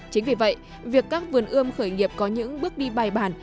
chính vì vậy việc các vườn ươm khởi nghiệp có những bước đi bài bản